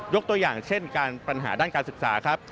ตัวอย่างเช่นการปัญหาด้านการศึกษาครับ